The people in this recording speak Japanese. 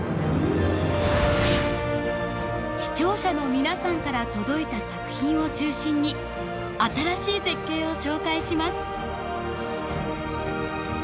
視聴者の皆さんから届いた作品を中心に新しい絶景を紹介します。